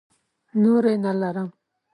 نورې نه لرم.